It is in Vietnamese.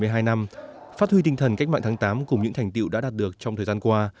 tại lễ kỷ niệm phát huy tinh thần cách mạng tháng tám cùng những thành tiệu đã đạt được trong thời gian qua